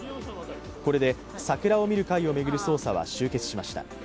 これで桜を見る会を巡る捜査は終結しました。